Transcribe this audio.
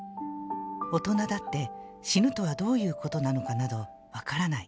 「大人だって、死ぬとはどういうことなのかなどわからない。